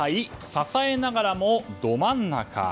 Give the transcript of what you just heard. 支えながらもど真ん中。